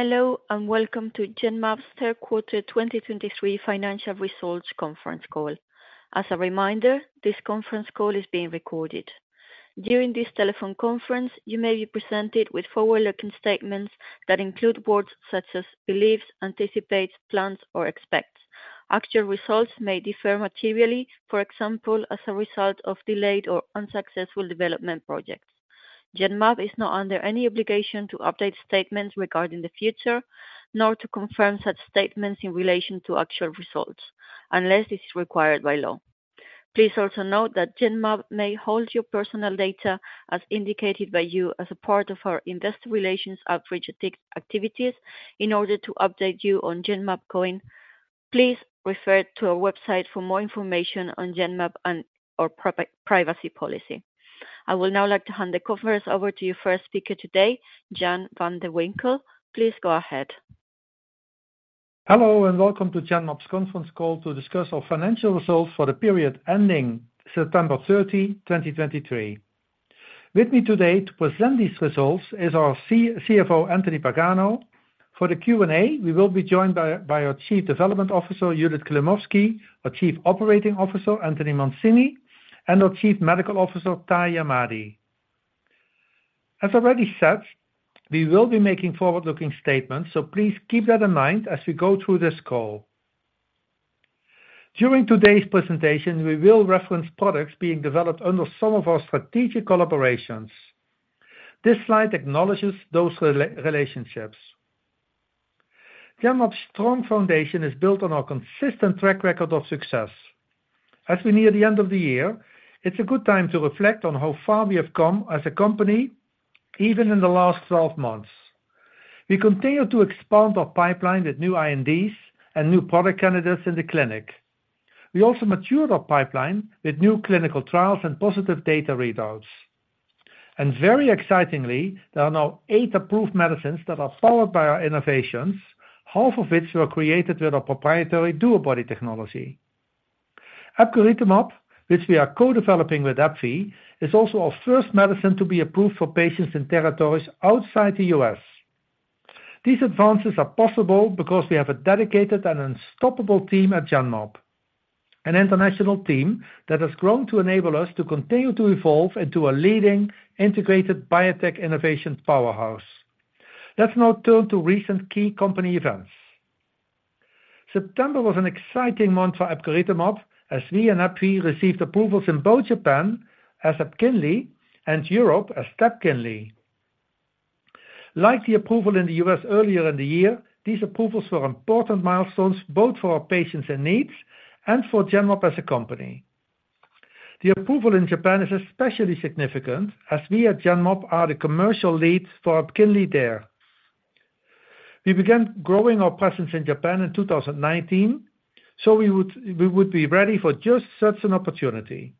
Hello, and welcome to Genmab's third quarter 2023 financial results conference call. As a reminder, this conference call is being recorded. During this telephone conference, you may be presented with forward-looking statements that include words such as believes, anticipates, plans, or expects. Actual results may differ materially, for example, as a result of delayed or unsuccessful development projects. Genmab is not under any obligation to update statements regarding the future, nor to confirm such statements in relation to actual results, unless it's required by law. Please also note that Genmab may hold your personal data as indicated by you as a part of our investor relations outreach activities, in order to update you on Genmab.com. Please refer to our website for more information on Genmab and our privacy policy. I would now like to hand the conference over to our first speaker today, Jan van de Winkel. Please go ahead. Hello, and welcome to Genmab's conference call to discuss our financial results for the period ending September 30, 2023. With me today to present these results is our CFO, Anthony Pagano. For the Q&A, we will be joined by our Chief Development Officer, Judith Klimovsky, our Chief Operating Officer, Anthony Mancini, and our Chief Medical Officer, Tahamtan Ahmadi. As already said, we will be making forward-looking statements, so please keep that in mind as we go through this call. During today's presentation, we will reference products being developed under some of our strategic collaborations. This slide acknowledges those relationships. Genmab's strong foundation is built on our consistent track record of success. As we near the end of the year, it's a good time to reflect on how far we have come as a company, even in the last 12 months. We continue to expand our pipeline with new INDs and new product candidates in the clinic. We also matured our pipeline with new clinical trials and positive data readouts. And very excitingly, there are now eight approved medicines that are followed by our innovations, half of which were created with our proprietary DuoBody technology. Epcoritamab, which we are co-developing with AbbVie, is also our first medicine to be approved for patients in territories outside the U.S. These advances are possible because we have a dedicated and unstoppable team at Genmab, an international team that has grown to enable us to continue to evolve into a leading integrated biotech innovation powerhouse. Let's now turn to recent key company events. September was an exciting month for epcoritamab, as we and AbbVie received approvals in both Japan as Epkinly and Europe as Tepkinly. Like the approval in the U.S. earlier in the year, these approvals were important milestones, both for our patients and needs and for Genmab as a company. The approval in Japan is especially significant as we at Genmab are the commercial leads for Epkinly there. We began growing our presence in Japan in 2019, so we would be ready for just such an opportunity.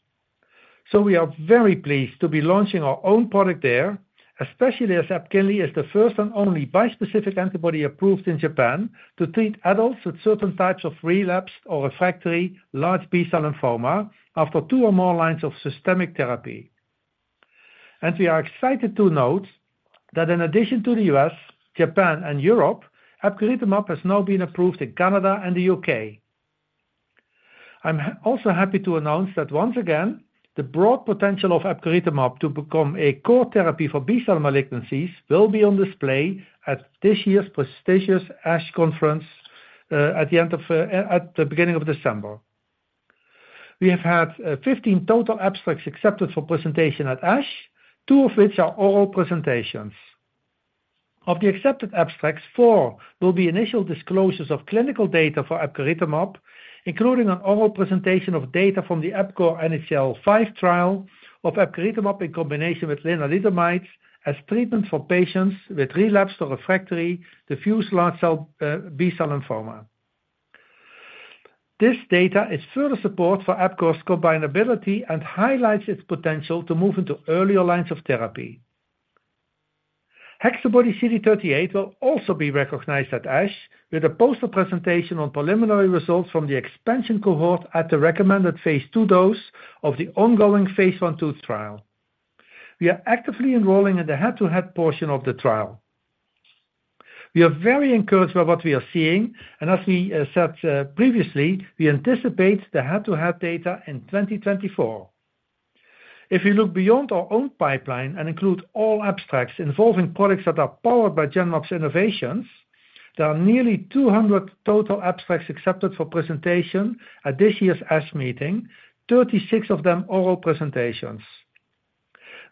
We are very pleased to be launching our own product there, especially as Epkinly is the first and only bispecific antibody approved in Japan to treat adults with certain types of relapsed or refractory large B-cell lymphoma after 2 or more lines of systemic therapy. We are excited to note that in addition to the U.S., Japan, and Europe, epcoritamab has now been approved in Canada and the U.K. I'm also happy to announce that once again, the broad potential of epcoritamab to become a core therapy for B-cell malignancies will be on display at this year's prestigious ASH Conference at the beginning of December. We have had 15 total abstracts accepted for presentation at ASH, two of which are oral presentations. Of the accepted abstracts, four will be initial disclosures of clinical data for epcoritamab, including an oral presentation of data from the EPCORE NHL-5 trial of epcoritamab in combination with lenalidomide as treatment for patients with relapsed or refractory diffuse large B-cell lymphoma. This data is further support for Epcor's combinability and highlights its potential to move into earlier lines of therapy. HexaBody-CD38 will also be recognized at ASH with a poster presentation on preliminary results from the expansion cohort at the recommended phase II dose of the ongoing phase I/II trial. We are actively enrolling in the head-to-head portion of the trial. We are very encouraged by what we are seeing, and as we said previously, we anticipate the head-to-head data in 2024. If you look beyond our own pipeline and include all abstracts involving products that are powered by Genmab's innovations, there are nearly 200 total abstracts accepted for presentation at this year's ASH meeting, 36 of them oral presentations.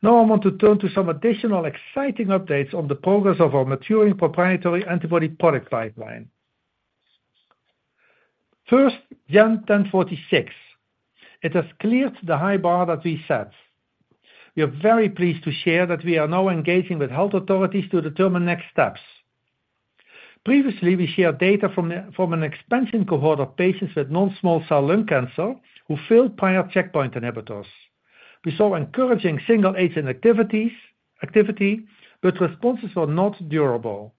Now, I want to turn to some additional exciting updates on the progress of our maturing proprietary antibody product pipeline. First, GEN1046. It has cleared the high bar that we set. We are very pleased to share that we are now engaging with health authorities to determine next steps. Previously, we shared data from an expansion cohort of patients with non-small cell lung cancer who failed prior checkpoint inhibitors. We saw encouraging single agent activity, but responses were not durable.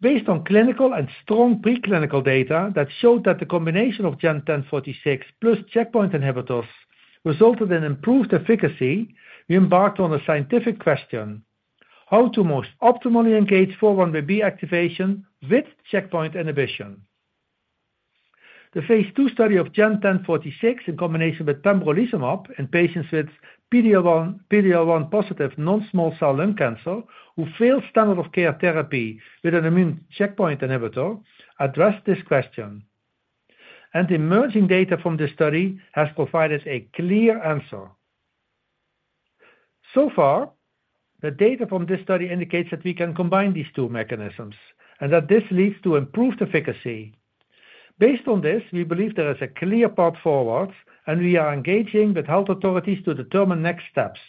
Based on clinical and strong preclinical data that showed that the combination of GEN1046 plus checkpoint inhibitors resulted in improved efficacy, we embarked on a scientific question: how to most optimally engage 4-1BB activation with checkpoint inhibition? The phase II study of GEN1046 in combination with pembrolizumab in patients with PD-L1 positive non-small cell lung cancer, who failed standard of care therapy with an immune checkpoint inhibitor, addressed this question. Emerging data from this study has provided a clear answer. So far, the data from this study indicates that we can combine these two mechanisms and that this leads to improved efficacy. Based on this, we believe there is a clear path forward, and we are engaging with health authorities to determine next steps.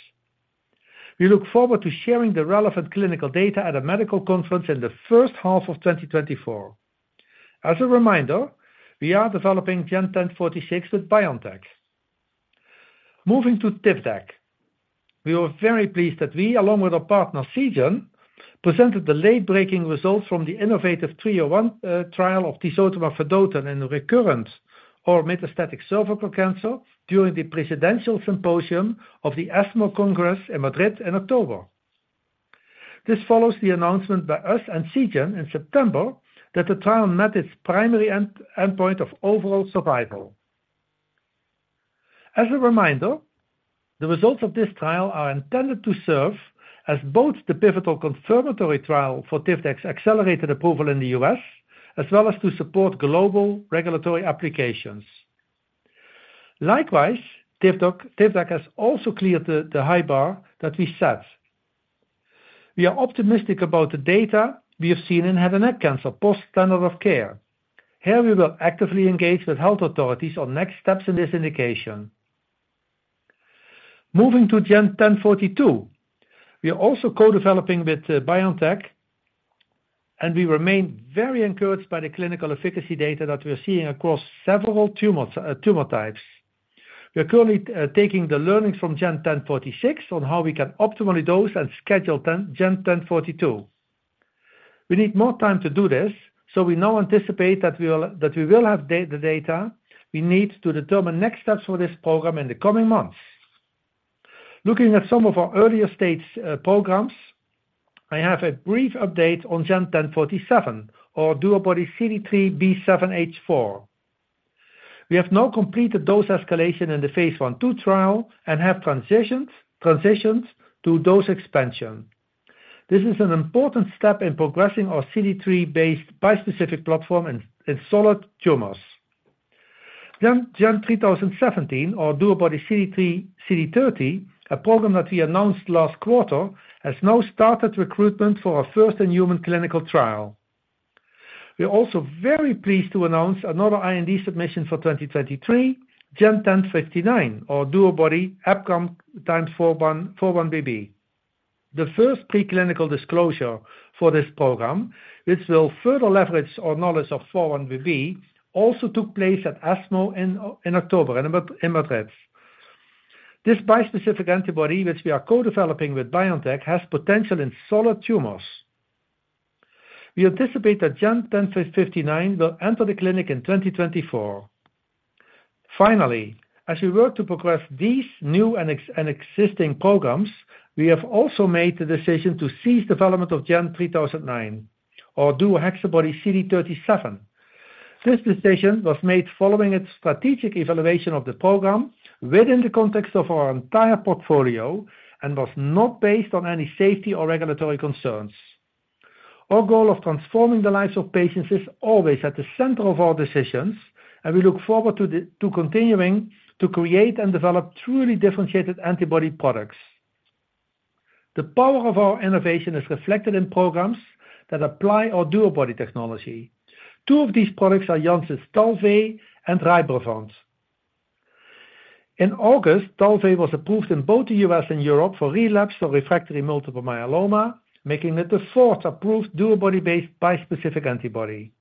We look forward to sharing the relevant clinical data at a medical conference in the first half of 2024. As a reminder, we are developing GEN1046 with BioNTech. Moving to Tivdak. We were very pleased that we, along with our partner Seagen, presented the late-breaking results from the innovaTV 301 trial of tisotumab vedotin in recurrent or metastatic cervical cancer during the Presidential Symposium of the ESMO Congress in Madrid in October. This follows the announcement by us and Seagen in September, that the trial met its primary endpoint of overall survival. As a reminder, the results of this trial are intended to serve as both the pivotal confirmatory trial for Tivdak's accelerated approval in the U.S., as well as to support global regulatory applications. Likewise, Tivdak has also cleared the high bar that we set. We are optimistic about the data we have seen in head and neck cancer, post standard of care. Here we will actively engage with health authorities on next steps in this indication. Moving to GEN1042, we are also co-developing with BioNTech, and we remain very encouraged by the clinical efficacy data that we are seeing across several tumors, tumor types. We are currently taking the learnings from GEN1046 on how we can optimally dose and schedule GEN1042. We need more time to do this, so we now anticipate that we will have the data we need to determine next steps for this program in the coming months. Looking at some of our earlier stage programs, I have a brief update on JNJ-1047 or DuoBody-CD3xB7H4. We have now completed dose escalation in the phase I/II trial and have transitioned to dose expansion. This is an important step in progressing our CD3 based bispecific platform in solid tumors. JNJ-3017, or DuoBody-CD3xCD30, a program that we announced last quarter, has now started recruitment for our first-in-human clinical trial. We are also very pleased to announce another IND submission for 2023, JNJ-1059, or DuoBody-EpCAMx4-1BB. The first preclinical disclosure for this program, which will further leverage our knowledge of 4-1BB, also took place at ESMO in October in Madrid. This bispecific antibody, which we are co-developing with BioNTech, has potential in solid tumors. We anticipate that GEN1059 will enter the clinic in 2024. Finally, as we work to progress these new and existing programs, we have also made the decision to cease development of GEN3009 or DuoHexaBody-CD37. This decision was made following a strategic evaluation of the program within the context of our entire portfolio and was not based on any safety or regulatory concerns. Our goal of transforming the lives of patients is always at the center of our decisions, and we look forward to continuing to create and develop truly differentiated antibody products. The power of our innovation is reflected in programs that apply our DuoBody technology. Two of these products are Janssen's Talvey and Rybrevant. In August, Talvey was approved in both the U.S. and Europe for relapsed or refractory multiple myeloma, making it the fourth approved DuoBody-based bispecific antibody.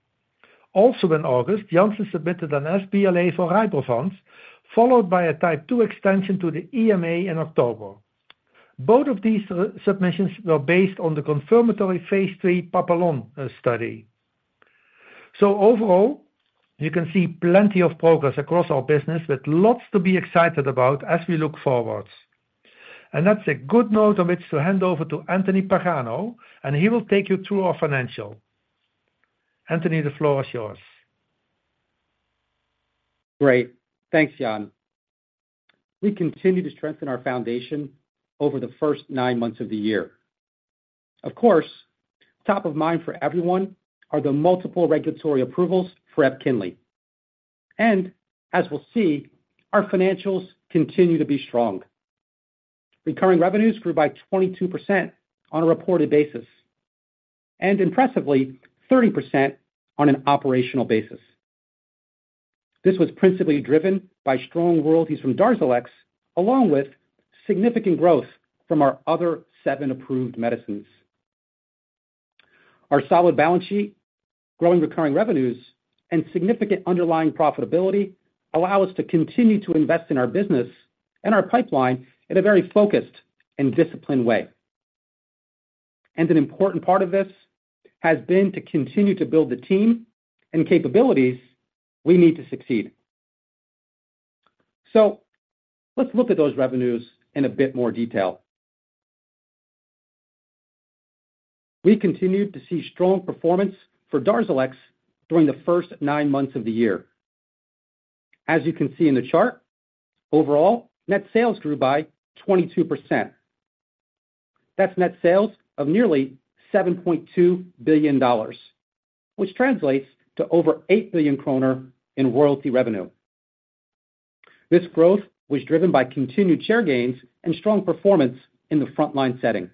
Also in August, Janssen submitted an sBLA for Rybrevant, followed by a type two extension to the EMA in October. Both of these submissions were based on the confirmatory phase III PAPILLON study. Overall, you can see plenty of progress across our business, with lots to be excited about as we look forwards. And that's a good note on which to hand over to Anthony Pagano, and he will take you through our financial. Anthony, the floor is yours. Great. Thanks, Jan. We continued to strengthen our foundation over the first 9 months of the year. Of course, top of mind for everyone are the multiple regulatory approvals for Epkinly. And as we'll see, our financials continue to be strong. Recurring revenues grew by 22% on a reported basis, and impressively, 30% on an operational basis. This was principally driven by strong royalties from Darzalex, along with significant growth from our other 7 approved medicines. Our solid balance sheet, growing recurring revenues, and significant underlying profitability allow us to continue to invest in our business and our pipeline in a very focused and disciplined way. And an important part of this has been to continue to build the team and capabilities we need to succeed. So let's look at those revenues in a bit more detail. We continued to see strong performance for Darzalex during the first nine months of the year. As you can see in the chart, overall, net sales grew by 22%. That's net sales of nearly $7.2 billion, which translates to over 8 billion kroner in royalty revenue. This growth was driven by continued share gains and strong performance in the frontline setting.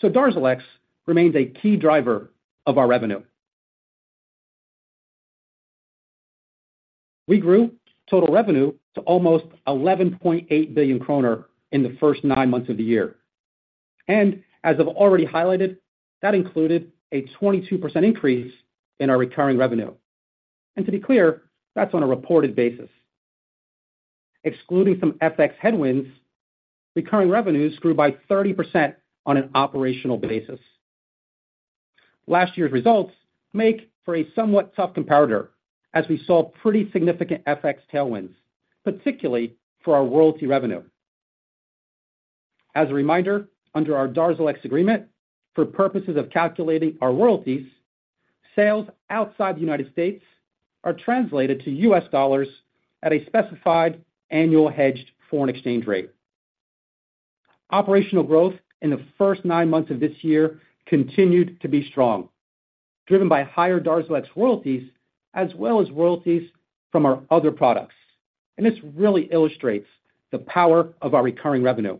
So Darzalex remains a key driver of our revenue. We grew total revenue to almost 11.8 billion kroner in the first nine months of the year, and as I've already highlighted, that included a 22% increase in our recurring revenue. And to be clear, that's on a reported basis. Excluding some FX headwinds, recurring revenues grew by 30% on an operational basis. Last year's results make for a somewhat tough comparator, as we saw pretty significant FX tailwinds, particularly for our royalty revenue. As a reminder, under our Darzalex agreement, for purposes of calculating our royalties, sales outside the United States are translated to US dollars at a specified annual hedged foreign exchange rate. Operational growth in the first nine months of this year continued to be strong, driven by higher Darzalex royalties, as well as royalties from our other products. This really illustrates the power of our recurring revenue.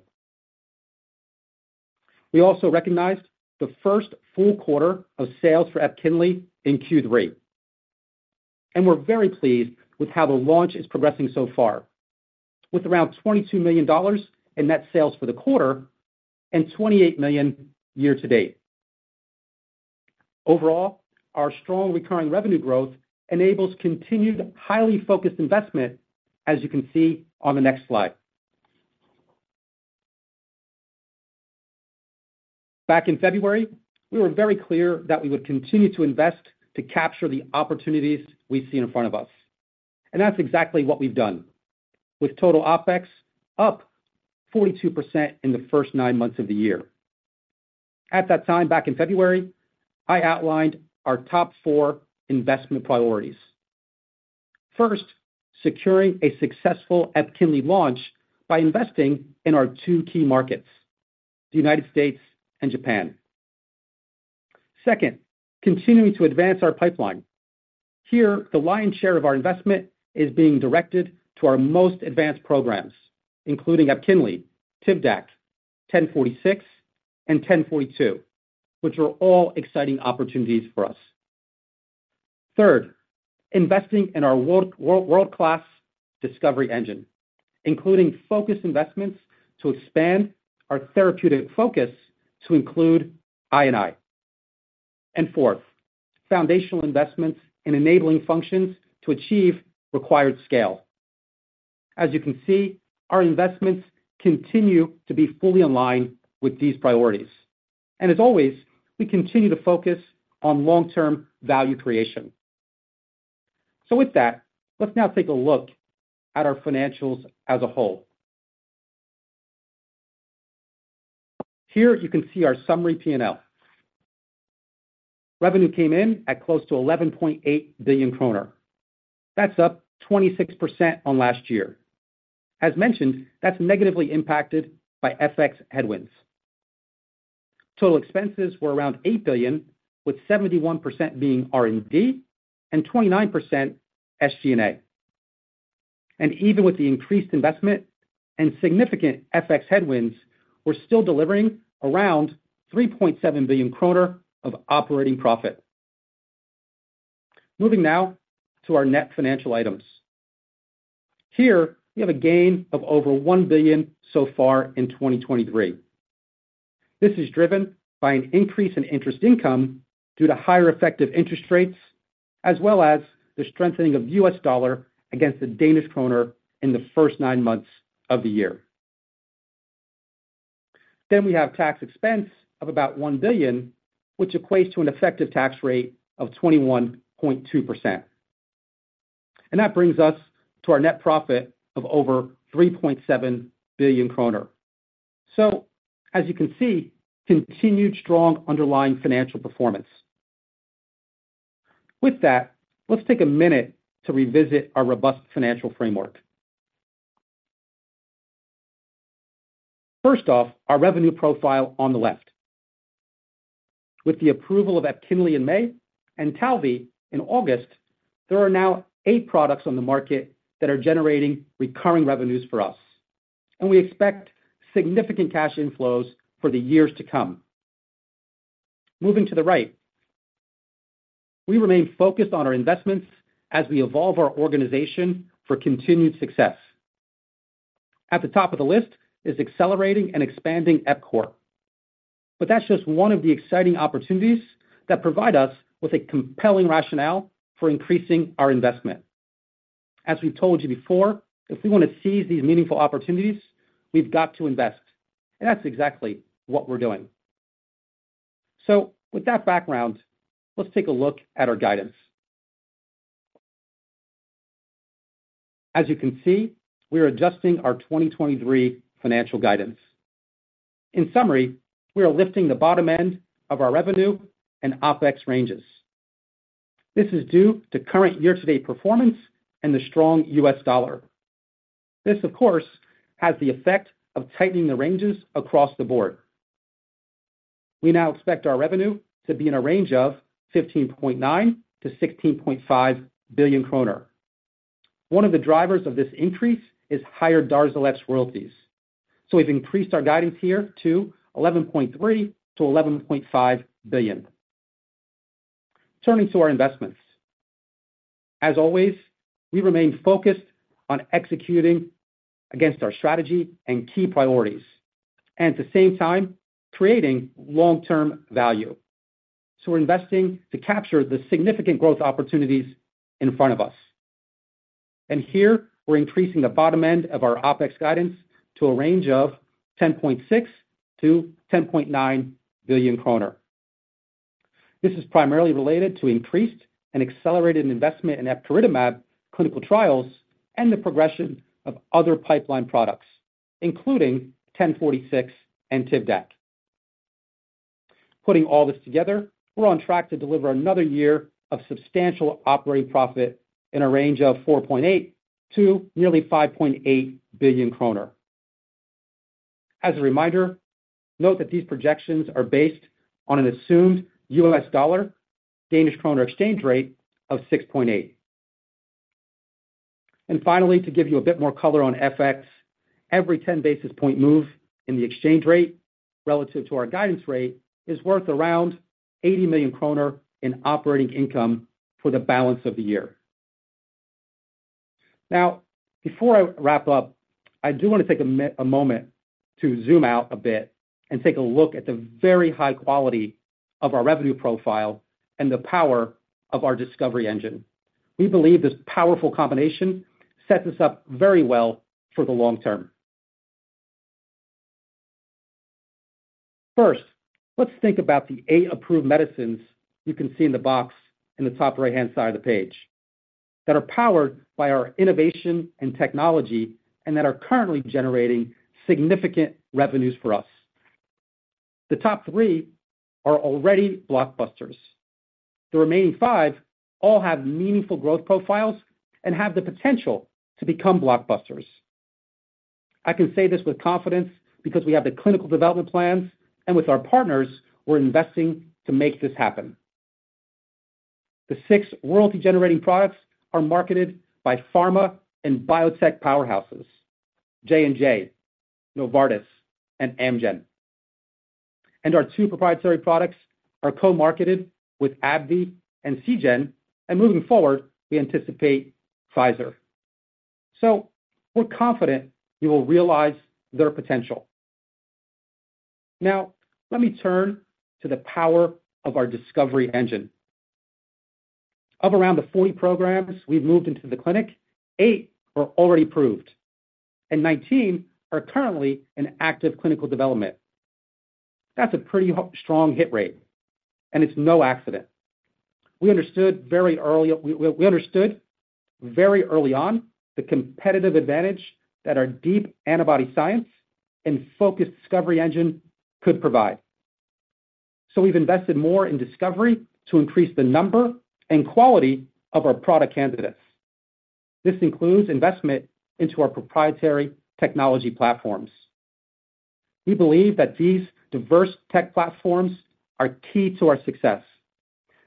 We also recognized the first full quarter of sales for Epkinly in Q3, and we're very pleased with how the launch is progressing so far, with around $22 million in net sales for the quarter and $28 million year to date. Overall, our strong recurring revenue growth enables continued, highly focused investment, as you can see on the next slide. Back in February, we were very clear that we would continue to invest to capture the opportunities we see in front of us, and that's exactly what we've done, with total OpEx up 42% in the first nine months of the year. At that time, back in February, I outlined our top four investment priorities. First, securing a successful Epkinly launch by investing in our two key markets, the United States and Japan. Second, continuing to advance our pipeline. Here, the lion's share of our investment is being directed to our most advanced programs, including Epkinly, Tivdak, 1046, and 1042, which are all exciting opportunities for us. Third, investing in our world-class discovery engine, including focused investments to expand our therapeutic focus to include I&I. And fourth, foundational investments in enabling functions to achieve required scale. As you can see, our investments continue to be fully aligned with these priorities, and as always, we continue to focus on long-term value creation. So with that, let's now take a look at our financials as a whole. Here you can see our summary P&L. Revenue came in at close to 11.8 billion kroner. That's up 26% on last year. As mentioned, that's negatively impacted by FX headwinds. Total expenses were around 8 billion, with 71% being R&D and 29% SG&A. And even with the increased investment and significant FX headwinds, we're still delivering around 3.7 billion kroner of operating profit. Moving now to our net financial items. Here we have a gain of over 1 billion so far in 2023. This is driven by an increase in interest income due to higher effective interest rates, as well as the strengthening of the US dollar against the Danish kroner in the first nine months of the year. We have tax expense of about 1 billion, which equates to an effective tax rate of 21.2%. That brings us to our net profit of over 3.7 billion kroner. So as you can see, continued strong underlying financial performance. With that, let's take a minute to revisit our robust financial framework. First off, our revenue profile on the left. With the approval of Epkinly in May and Talvey in August, there are now 8 products on the market that are generating recurring revenues for us, and we expect significant cash inflows for the years to come. Moving to the right, we remain focused on our investments as we evolve our organization for continued success. At the top of the list is accelerating and expanding EPCORE, but that's just one of the exciting opportunities that provide us with a compelling rationale for increasing our investment. As we've told you before, if we want to seize these meaningful opportunities, we've got to invest, and that's exactly what we're doing. So with that background, let's take a look at our guidance. As you can see, we are adjusting our 2023 financial guidance. In summary, we are lifting the bottom end of our revenue and OpEx ranges. This is due to current year-to-date performance and the strong U.S. dollar. This, of course, has the effect of tightening the ranges across the board. We now expect our revenue to be in a range of 15.9 billion-16.5 billion kroner. One of the drivers of this increase is higher Darzalex royalties, so we've increased our guidance here to 11.3 billion-11.5 billion. Turning to our investments. As always, we remain focused on executing against our strategy and key priorities, and at the same time, creating long-term value. So we're investing to capture the significant growth opportunities in front of us, and here we're increasing the bottom end of our OpEx guidance to a range of 10.6 billion-10.9 billion kroner. This is primarily related to increased and accelerated investment in epcoritamab clinical trials and the progression of other pipeline products, including GEN1046 and Tivdak. Putting all this together, we're on track to deliver another year of substantial operating profit in a range of 4.8 billion to nearly 5.8 billion kroner. As a reminder, note that these projections are based on an assumed US dollar Danish kroner exchange rate of 6.8. Finally, to give you a bit more color on FX, every 10 basis point move in the exchange rate relative to our guidance rate is worth around 80 million kroner in operating income for the balance of the year. Now, before I wrap up, I do want to take a moment to zoom out a bit and take a look at the very high quality of our revenue profile and the power of our discovery engine. We believe this powerful combination sets us up very well for the long term. First, let's think about the eight approved medicines you can see in the box in the top right-hand side of the page, that are powered by our innovation and technology, and that are currently generating significant revenues for us. The top three are already blockbusters. The remaining five all have meaningful growth profiles and have the potential to become blockbusters. I can say this with confidence because we have the clinical development plans, and with our partners, we're investing to make this happen. The six royalty-generating products are marketed by pharma and biotech powerhouses, J&J, Novartis, and Amgen. Our two proprietary products are co-marketed with AbbVie and Seagen, and moving forward, we anticipate Pfizer. We're confident we will realize their potential. Now, let me turn to the power of our discovery engine. Of around the 40 programs we've moved into the clinic, 8 are already approved and 19 are currently in active clinical development. That's a pretty strong hit rate, and it's no accident. We understood very early on the competitive advantage that our deep antibody science and focused discovery engine could provide. So we've invested more in discovery to increase the number and quality of our product candidates. This includes investment into our proprietary technology platforms. We believe that these diverse tech platforms are key to our success.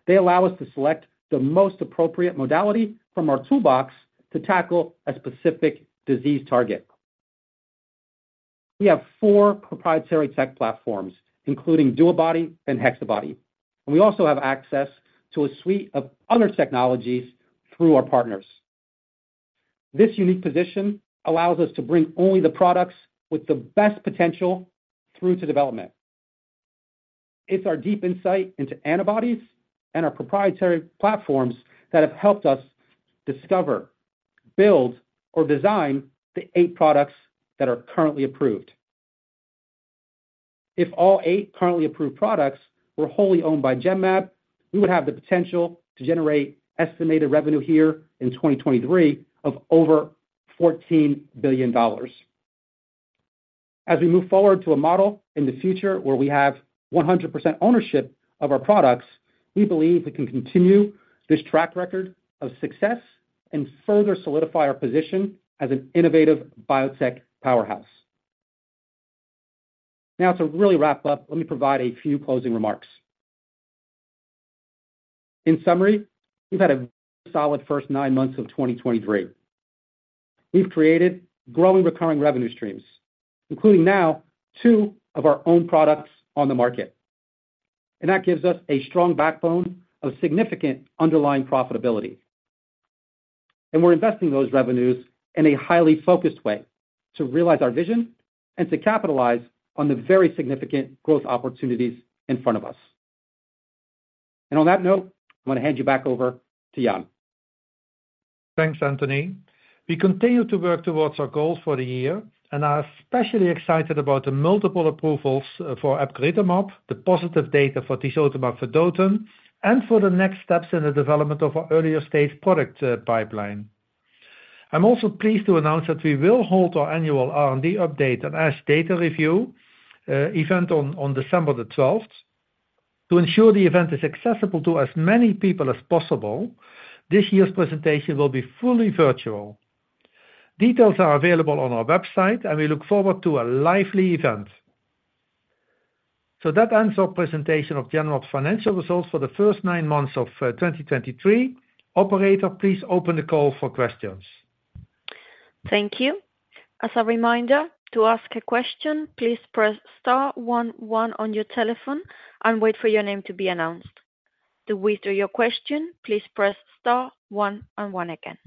They allow us to select the most appropriate modality from our toolbox to tackle a specific disease target. We have 4 proprietary tech platforms, including DuoBody and HexaBody, and we also have access to a suite of other technologies through our partners. This unique position allows us to bring only the products with the best potential through to development. It's our deep insight into antibodies and our proprietary platforms that have helped us discover, build, or design the eight products that are currently approved. If all eight currently approved products were wholly owned by Genmab, we would have the potential to generate estimated revenue here in 2023 of over $14 billion. As we move forward to a model in the future where we have 100% ownership of our products, we believe we can continue this track record of success and further solidify our position as an innovative biotech powerhouse. Now, to really wrap up, let me provide a few closing remarks. In summary, we've had a solid first nine months of 2023. We've created growing recurring revenue streams, including now two of our own products on the market, and that gives us a strong backbone of significant underlying profitability. We're investing those revenues in a highly focused way to realize our vision and to capitalize on the very significant growth opportunities in front of us. On that note, I'm going to hand you back over to Jan. Thanks, Anthony. We continue to work towards our goals for the year and are especially excited about the multiple approvals for epcoritamab, the positive data for tisotumab vedotin, and for the next steps in the development of our earlier-stage product pipeline. I'm also pleased to announce that we will hold our annual R&D update and ASH data review event on December the twelfth. To ensure the event is accessible to as many people as possible, this year's presentation will be fully virtual. Details are available on our website, and we look forward to a lively event. So that ends our presentation of general financial results for the first nine months of 2023. Operator, please open the call for questions. Thank you. As a reminder, to ask a question, please press star one one on your telephone and wait for your name to be announced. To withdraw your question, please press star one and one again.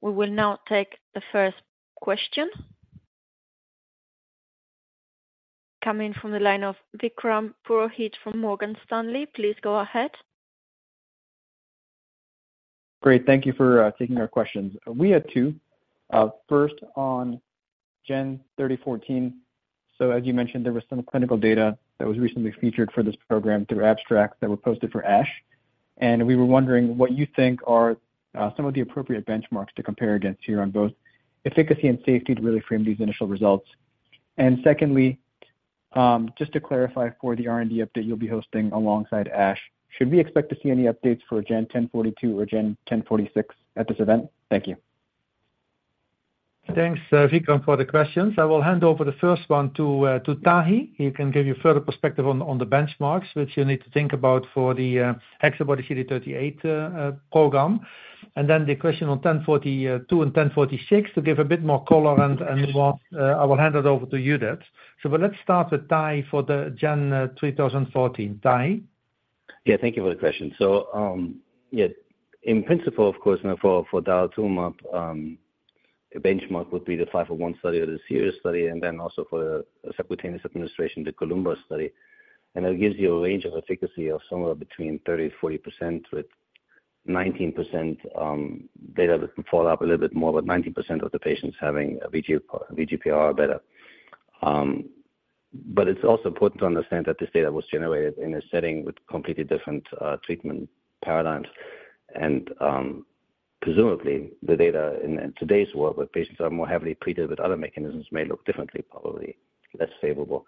We will now take the first question. Coming from the line of Vikram Purohit from Morgan Stanley. Please go ahead. Great. Thank you for taking our questions. We had two. First on GEN1047. So as you mentioned, there was some clinical data that was recently featured for this program through abstracts that were posted for ASH, and we were wondering what you think are some of the appropriate benchmarks to compare against here on both efficacy and safety to really frame these initial results. And secondly, just to clarify for the R&D update you'll be hosting alongside ASH, should we expect to see any updates for GEN1042 or GEN1046 at this event? Thank you. Thanks, Vikram, for the questions. I will hand over the first one to Tahi. He can give you further perspective on the benchmarks, which you need to think about for the antibody CD38 program, and then the question on 1042 and 1046 to give a bit more color and what I will hand it over to Judith. So but let's start with Tahi for the GEN3014. Tahi? Yeah, thank you for the question. So, yeah, in principle, of course, you know, for, for Darzalex, a benchmark would be the 501 study or the SIRIUS study, and then also for the subcutaneous administration, the COLUMBA study. And it gives you a range of efficacy of somewhere between 30%-40%, with 19% data that can follow up a little bit more, but 90% of the patients having a VG, VGPR are better. But it's also important to understand that this data was generated in a setting with completely different treatment paradigms, and, presumably the data in today's world, where patients are more heavily pretreated with other mechanisms, may look differently, probably less favorable.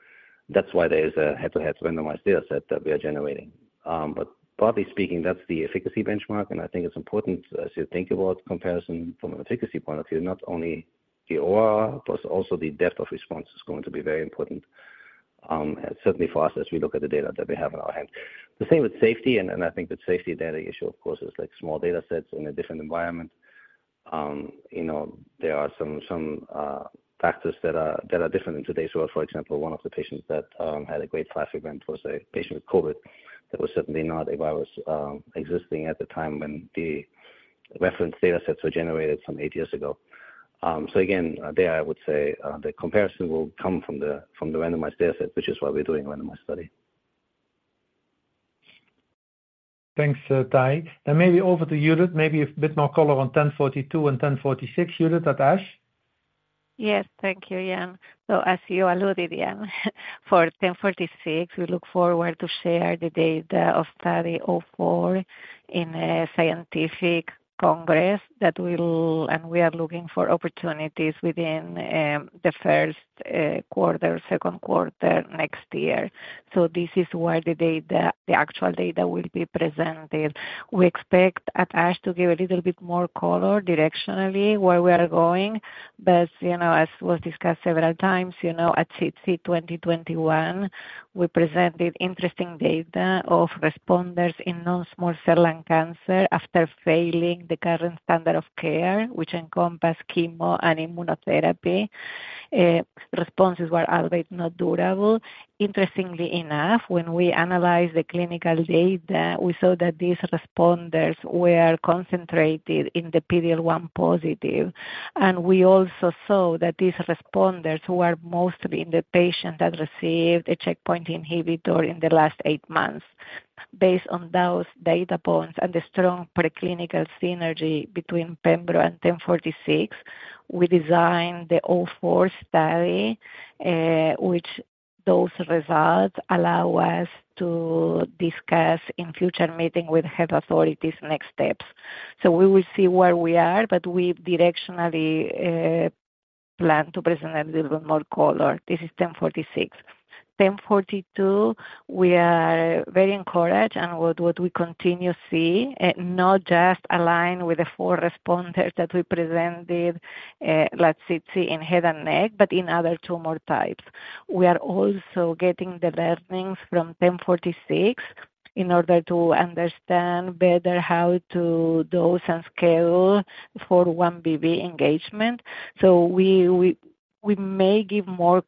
That's why there is a head-to-head randomized data set that we are generating. But broadly speaking, that's the efficacy benchmark, and I think it's important as you think about comparison from an efficacy point of view, not only the OR, but also the depth of response is going to be very important, certainly for us, as we look at the data that we have on our hand. The same with safety, and I think the safety data issue, of course, is like small data sets in a different environment. You know, there are some, some factors that are, that are different in today's world. For example, one of the patients that had a Grade 5 event was a patient with COVID. That was certainly not a virus existing at the time when the reference data sets were generated some 8 years ago. Again, I would say the comparison will come from the randomized data set, which is why we're doing a randomized study. Thanks, Tahi. Maybe over to Judith, maybe a bit more color on 1042 and 1046. Judith, at ASH? Yes, thank you, Jan. So as you alluded, Jan, for 1046, we look forward to share the data of study 04 in a scientific congress that will... And we are looking for opportunities within the first quarter, second quarter next year. So this is where the data, the actual data will be presented. We expect at ASH to give a little bit more color directionally, where we are going, but, you know, as was discussed several times, you know, at SITC 2021, we presented interesting data of responders in non-small cell lung cancer after failing the current standard of care, which encompass chemo and immunotherapy. Responses were always not durable. Interestingly enough, when we analyzed the clinical data, we saw that these responders were concentrated in the PD-L1 positive, and we also saw that these responders, who are mostly in the patient, had received a checkpoint inhibitor in the last 8 months. Based on those data points and the strong preclinical synergy between Pembro and 1046, we designed the 04 study, which those results allow us to discuss in future meeting with health authorities next steps. So we will see where we are, but we directionally plan to present a little more color. This is 1046. 1042, we are very encouraged and what we continue to see not just align with the 4 responders that we presented in head and neck, but in other tumor types. We are also getting the learnings from 1046 in order to understand better how to dose and scale for 4-1BB engagement. So we may give more color,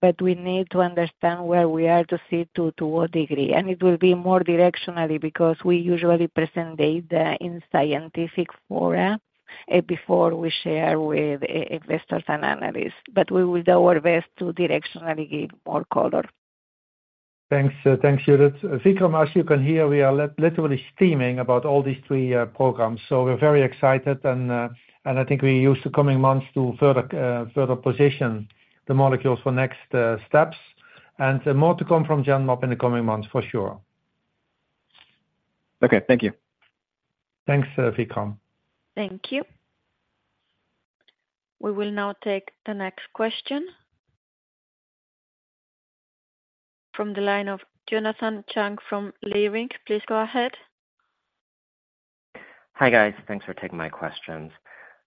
but we need to understand where we are to see to what degree, and it will be more directionally because we usually present data in scientific forum before we share with investors and analysts. But we will do our best to directionally give more color. Thanks. Thanks, Judith. Vikram, as you can hear, we are literally steaming about all these three programs, so we're very excited and, and I think we use the coming months to further position the molecules for next steps, and more to come from Genmab in the coming months for sure. Okay, thank you. Thanks, Vikram. Thank you. We will now take the next question from the line of Jonathan Chang from Leerink. Please go ahead. Hi, guys. Thanks for taking my questions.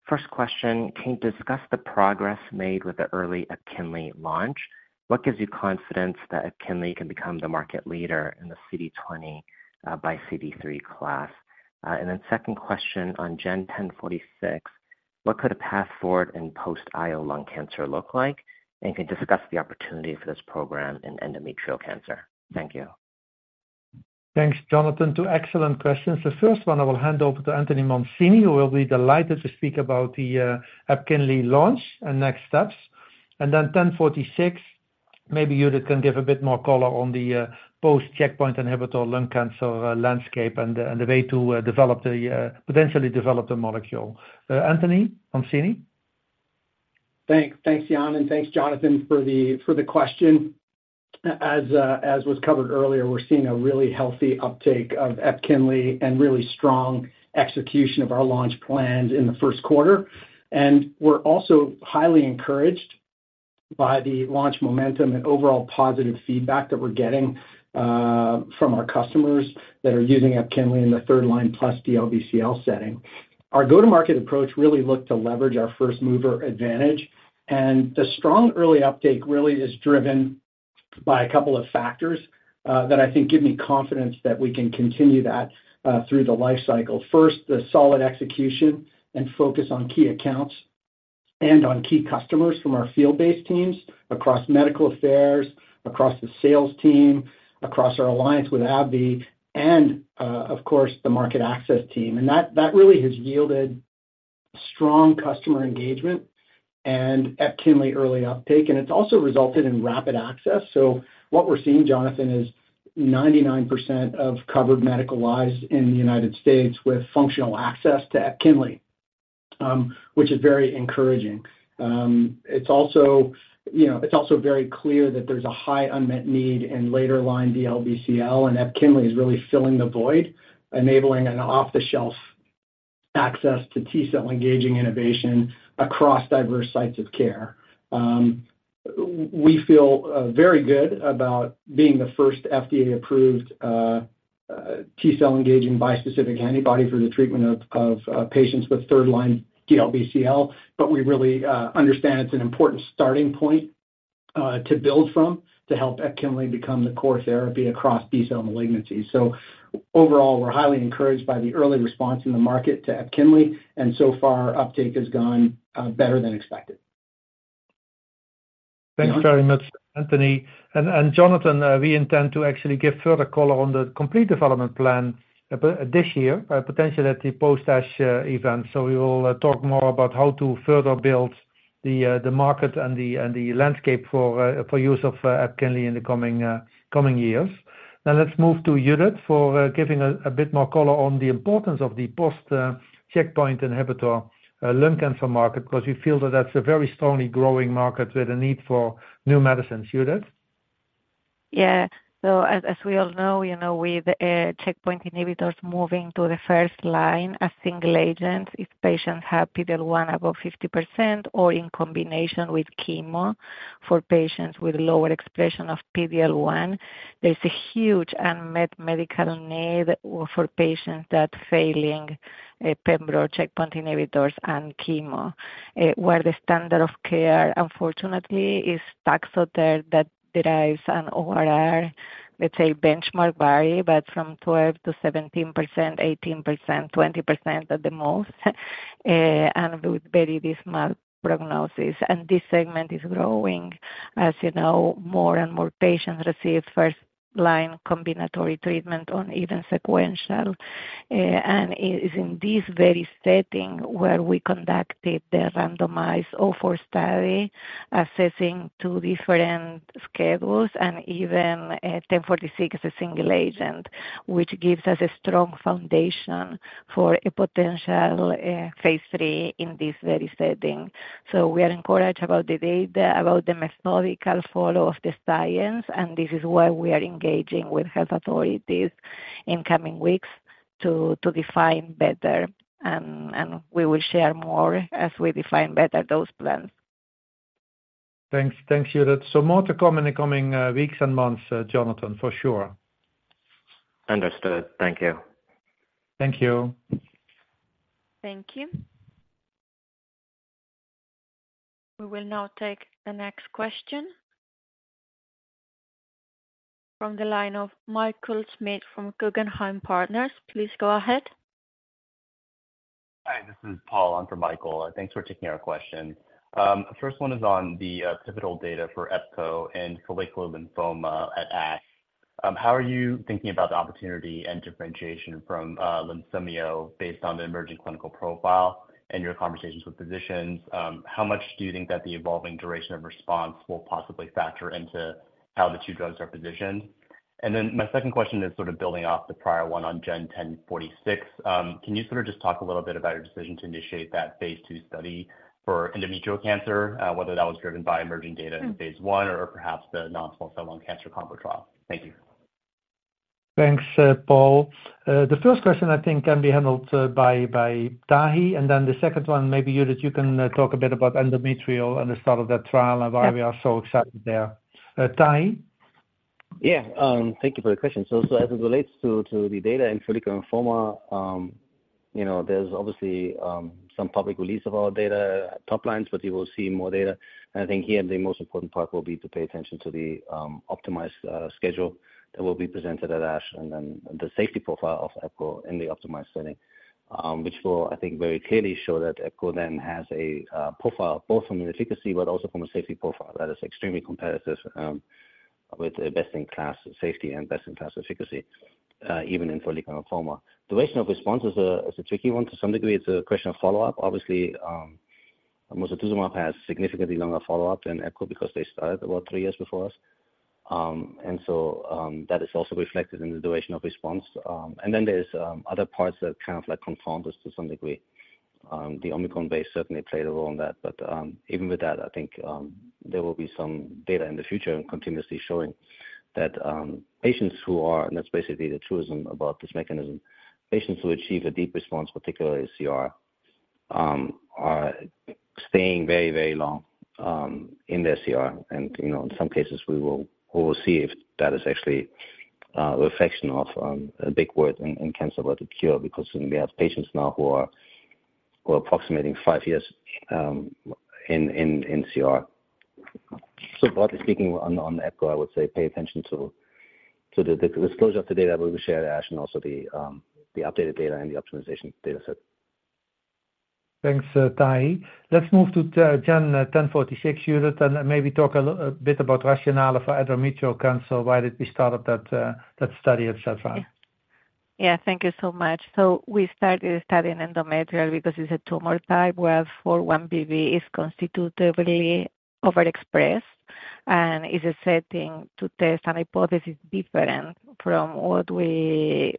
First question, can you discuss the progress made with the early Epkinly launch? What gives you confidence that Epkinly can become the market leader in the CD20, by CD3 class? And then second question on GEN1046, what could a path forward in post-IO lung cancer look like, and can you discuss the opportunity for this program in endometrial cancer? Thank you. Thanks, Jonathan. Two excellent questions. The first one, I will hand over to Anthony Mancini, who will be delighted to speak about the Epkinly launch and next steps. And then 1046, maybe you can give a bit more color on the post-checkpoint inhibitor lung cancer landscape and the, and the way to develop the, potentially develop the molecule. Anthony Mancini? Thanks. Thanks, Jan, and thanks, Jonathan, for the question. As was covered earlier, we're seeing a really healthy uptake of Epkinly and really strong execution of our launch plans in the first quarter. And we're also highly encouraged by the launch momentum and overall positive feedback that we're getting from our customers that are using Epkinly in the third line plus DLBCL setting. Our go-to-market approach really looked to leverage our first mover advantage, and the strong early uptake really is driven by a couple of factors that I think give me confidence that we can continue that through the life cycle. First, the solid execution and focus on key accounts and on key customers from our field-based teams, across medical affairs, across the sales team, across our alliance with AbbVie, and of course, the market access team. That really has yielded strong customer engagement and Epkinly early uptake, and it's also resulted in rapid access. So what we're seeing, Jonathan, is 99% of covered medical lives in the United States with functional access to Epkinly, which is very encouraging. It's also, you know, it's also very clear that there's a high unmet need in later-line DLBCL, and Epkinly is really filling the void, enabling an off-the-shelf access to T-cell engaging innovation across diverse sites of care. We feel very good about being the first FDA-approved T-cell engaging bispecific antibody for the treatment of patients with third-line DLBCL. But we really understand it's an important starting point to build from, to help Epkinly become the core therapy across B-cell malignancy. Overall, we're highly encouraged by the early response in the market to Epkinly, and so far, uptake has gone better than expected. Thanks very much, Anthony. And Jonathan, we intend to actually give further color on the complete development plan, this year, potentially at the post-ASH event. So we will talk more about how to further build the market and the landscape for use of Epkinly in the coming years. Now, let's move to Judith, for giving a bit more color on the importance of the post checkpoint inhibitor lung cancer market, because we feel that that's a very strongly growing market with a need for new medicines. Judith? Yeah. So as we all know, you know, with checkpoint inhibitors moving to the first line, as single agents, if patients have PD-L1 above 50% or in combination with chemo for patients with lower expression of PD-L1, there's a huge unmet medical need for patients that failing pembro checkpoint inhibitors and chemo. Where the standard of care, unfortunately, is Taxotere, that derives an ORR, let's say, benchmark vary, but from 12%-17%, 18%, 20% at the most, and with very dismal prognosis. And this segment is growing. As you know, more and more patients receive first line combinatory treatment on even sequential. It is in this very setting where we conducted the randomized O4 study, assessing two different schedules and even 1046, a single agent, which gives us a strong foundation for a potential phase III in this very setting. So we are encouraged about the data, about the methodical follow of the science, and this is why we are engaging with health authorities in coming weeks to define better, and we will share more as we define better those plans. Thanks. Thanks, Judith. So more to come in the coming weeks and months, Jonathan, for sure. Understood. Thank you. Thank you. Thank you. We will now take the next question... From the line of Michael Schmidt from Guggenheim Partners. Please go ahead. Hi, this is Paul. I'm from Michael. Thanks for taking our question. The first one is on the pivotal data for epcoritamab and follicular lymphoma at ASH. How are you thinking about the opportunity and differentiation from Lunsumio, based on the emerging clinical profile and your conversations with physicians? How much do you think that the evolving duration of response will possibly factor into how the two drugs are positioned? And then my second question is sort of building off the prior one on GEN1046. Can you sort of just talk a little bit about your decision to initiate that phase II study for endometrial cancer, whether that was driven by emerging data in phase I or perhaps the non-small cell lung cancer combo trial? Thank you. Thanks, Paul. The first question I think can be handled by Tahi, and then the second one, maybe you that you can talk a bit about endometrial and the start of that trial and why we are so excited there. Tahi? Yeah. Thank you for the question. So as it relates to the data in follicular lymphoma, you know, there's obviously some public release of our data top lines, but you will see more data. And I think here, the most important part will be to pay attention to the optimized schedule that will be presented at ASH, and then the safety profile of Epcor in the optimized setting. Which will, I think, very clearly show that Epcor then has a profile, both from an efficacy but also from a safety profile that is extremely competitive, with a best-in-class safety and best-in-class efficacy, even in follicular lymphoma. Duration of response is a tricky one. To some degree, it's a question of follow-up. Obviously, mosunetuzumab has significantly longer follow-up than epcoritamab because they started about three years before us. And so, that is also reflected in the duration of response. And then there's other parts that kind of like confound us to some degree. The Omicron wave certainly played a role in that, but even with that, I think there will be some data in the future and continuously showing that patients who are... And that's basically the truism about this mechanism. Patients who achieve a deep response, particularly CR, are staying very, very long in their CR. You know, in some cases we will, we will see if that is actually a reflection of a big word in, in cancer, about a cure, because we have patients now who are, who are approximating five years in, in, in CR. So broadly speaking, on, on epcoritamab, I would say pay attention to, to the, the disclosure of the data will be shared at ASH and also the, the updated data and the optimization data set. Thanks, Tahi. Let's move to GEN1046, Judith, and maybe talk a bit about rationale for endometrial cancer. Why did we start up that study and so far? Yeah. Thank you so much. So we started studying endometrial because it's a tumor type where 4-1BB is constitutively overexpressed and is a setting to test a hypothesis different from what we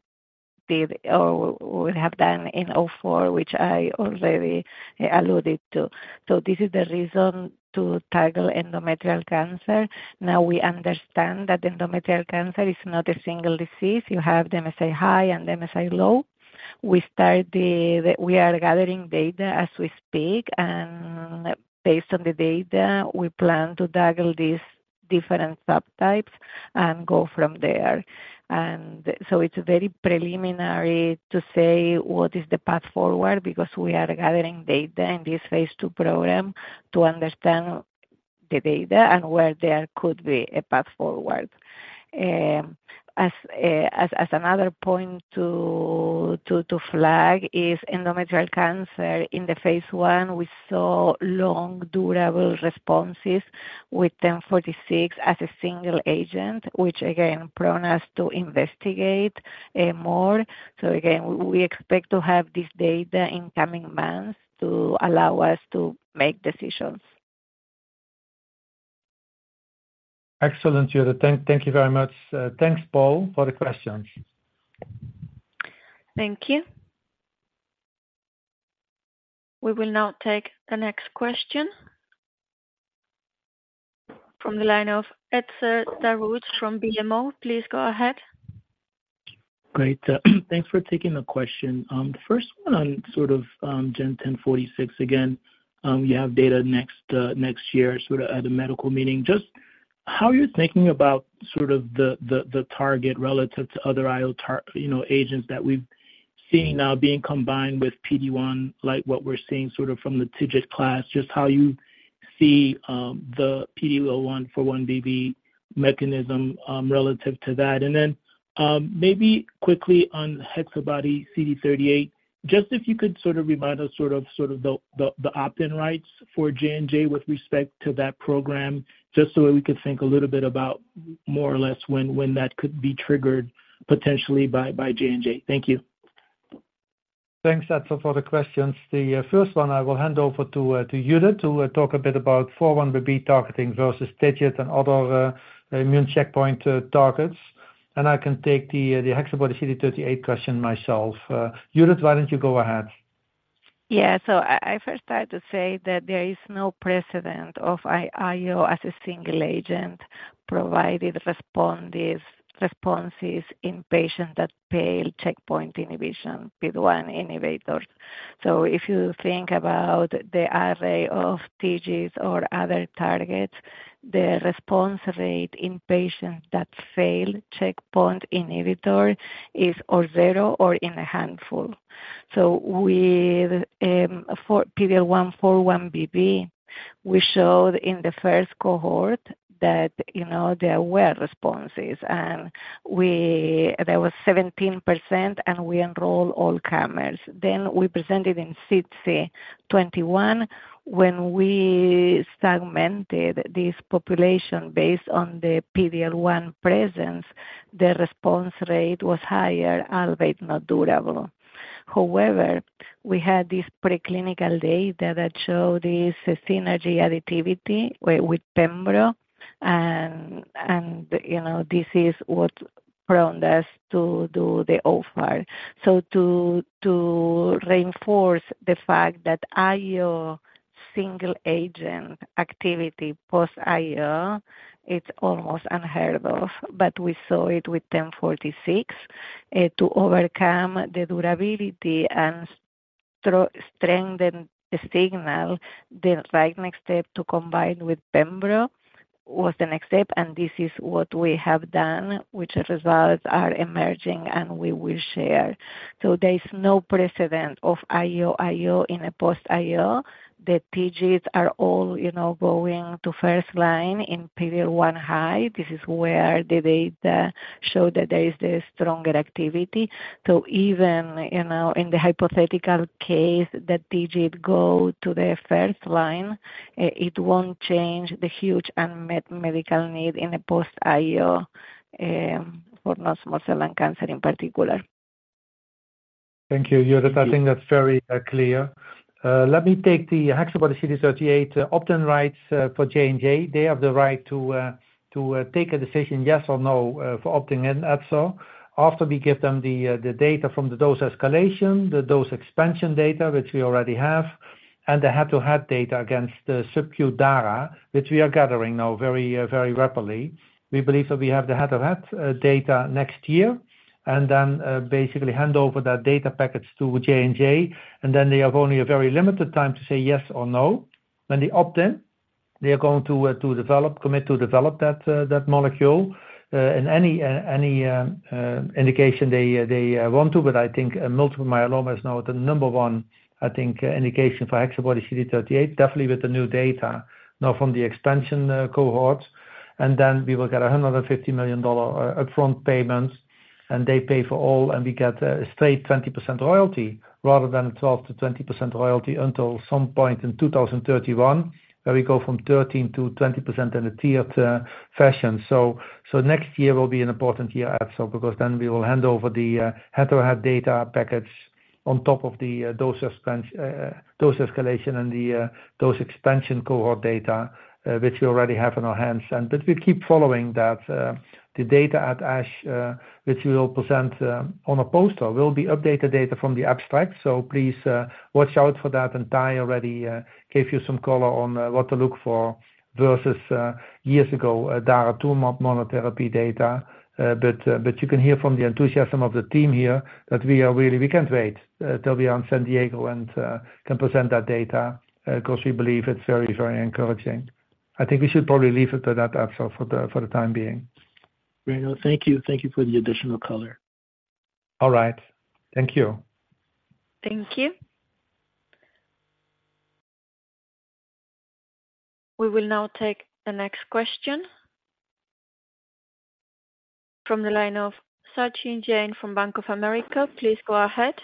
did or would have done in IO, which I already alluded to. So this is the reason to tackle endometrial cancer. Now, we understand that endometrial cancer is not a single disease. You have MSI high and MSI low. We are gathering data as we speak, and based on the data, we plan to tackle these different subtypes and go from there. And so it's very preliminary to say what is the path forward, because we are gathering data in this phase II program to understand the data and where there could be a path forward. As another point to flag is endometrial cancer. In the phase I, we saw long, durable responses with GEN1046 as a single agent, which again prompted us to investigate more. So again, we expect to have this data in coming months to allow us to make decisions. Excellent, Judith. Thank you very much. Thanks, Paul, for the questions. Thank you. We will now take the next question from the line of Etzer Darout, from BMO. Please go ahead. Great. Thanks for taking the question. The first one on sort of GEN1046 again. You have data next year, sort of at a medical meeting. Just how you're thinking about sort of the target relative to other IO targets, you know, agents that we've seen now being combined with PD-1, like what we're seeing sort of from the TIGIT class, just how you see the PD-L1 4-1BB mechanism relative to that. And then, maybe quickly on HexaBody-CD38, just if you could sort of remind us sort of the opt-in rights for J&J with respect to that program, just so we could think a little bit about more or less when that could be triggered potentially by J&J. Thank you. Thanks, Etzer, for the questions. The first one I will hand over to Judith to talk a bit about 4-1BB targeting versus TIGIT and other immune checkpoint targets. And I can take the HexaBody-CD38 question myself. Judith, why don't you go ahead? Yeah. So I, I first start to say that there is no precedent of IO as a single agent, provided responses in patients that fail checkpoint inhibition, PD-1 inhibitors. So if you think about the array of TIGIT or other targets, the response rate in patients that fail checkpoint inhibitor is zero or in a handful. So with for PD-L1x4-1BB, we showed in the first cohort that, you know, there were responses, and there was 17%, and we enroll all comers. Then we presented in SITC 2021. When we segmented this population based on the PD-L1 presence, the response rate was higher, albeit not durable. However, we had this preclinical data that showed this synergy additivity with Pembro, and, you know, this is what prompted us to do the combo trial. So to reinforce the fact that IO-... Single agent activity post IO, it's almost unheard of, but we saw it with 1046. To overcome the durability and strengthen the signal, the right next step to combine with pembro was the next step, and this is what we have done, which results are emerging, and we will share. So there is no precedent of IO-IO in a post IO. The TIGITs are all, you know, going to first-line in frontline. This is where the data show that there is a stronger activity. So even, you know, in the hypothetical case that TIGITs go to the first-line, it won't change the huge unmet medical need in a post IO for non-small cell lung cancer in particular. Thank you, Judith. I think that's very clear. Let me take the HexaBody-CD38 opt-in rights for J&J. They have the right to take a decision, yes or no, for opting in, also. After we give them the data from the dose escalation, the dose expansion data, which we already have, and the head-to-head data against the subcu data, which we are gathering now very rapidly. We believe that we have the head-to-head data next year, and then basically hand over that data package to J&J, and then they have only a very limited time to say yes or no. When they opt in, they are going to develop, commit to develop that molecule in any indication they want to. But I think multiple myeloma is now the number one, I think, indication for HexaBody-CD38, definitely with the new data, now from the expansion cohort. And then we will get a $150 million upfront payments, and they pay for all, and we get a straight 20% royalty rather than 12%-20% royalty until some point in 2031, where we go from 13%-20% in a tiered fashion. So next year will be an important year as so, because then we will hand over the head-to-head data package on top of the dose expansion dose escalation and the dose expansion cohort data, which we already have in our hands. But we keep following that, the data at ASH, which we will present on a poster, will be updated data from the abstract. So please watch out for that, and Tahi already gave you some color on what to look for versus years ago data to monotherapy data. But you can hear from the enthusiasm of the team here that we are really, we can't wait till we are in San Diego and can present that data, because we believe it's very, very encouraging. I think we should probably leave it at that, Etzer, for the time being. Thank you. Thank you for the additional color. All right. Thank you. Thank you. We will now take the next question from the line of Sachin Jain from Bank of America. Please go ahead.